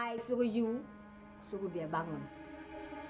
i so you suruh dia bangun